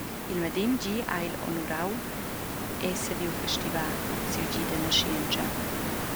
Il medem gi ha il honorau era saviu festivar siu gi da naschientscha.